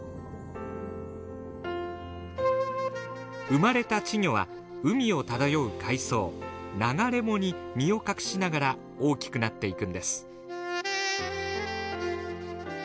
生まれた稚魚は海を漂う海藻流れ藻に身を隠しながら大きくなっていくんです。